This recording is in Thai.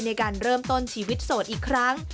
ในการเริ่มต้นชีวิตโสดอีกครั้ง